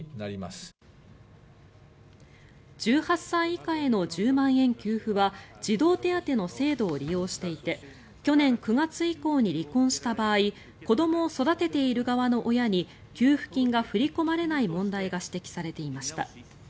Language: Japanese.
１８歳以下への１０万円給付は児童手当の制度を利用していて去年９月以降に離婚した場合子どもを育てている側の親に給付金が振り込まれない問題が指摘されていました。